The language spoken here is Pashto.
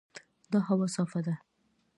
دا هوا صافه ده.